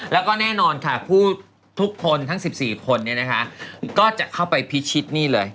แล้วก็แน่นอนค่ะผู้ทุกคนทั้ง๑๔คนเนี่ยนะคะก็จะเข้าไปพิชิตนี่เลย